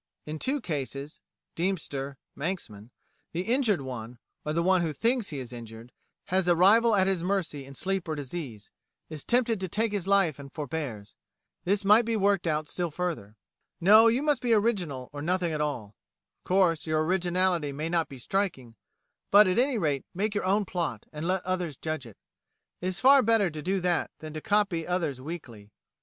In two cases ('Deemster,' 'Manxman,') the injured one, or the one who thinks he is injured, has a rival at his mercy in sleep or disease, is tempted to take his life and forbears. This might be worked out still further."[35:A] No; you must be original or nothing at all. Of course your originality may not be striking, but, at any rate, make your own plot, and let others judge it. It is far better to do that than to copy others weakly.